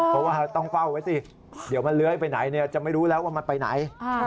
เพราะว่าต้องเฝ้าไว้สิเดี๋ยวมันเลื้อยไปไหนจะไม่รู้แล้วว่ามันไปไหน